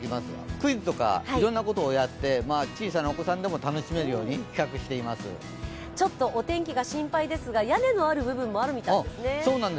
クイズとかいろんなことをやって、小さなお子さんでもちょっとお天気が心配ですが屋根のある部分もあるみたいですね。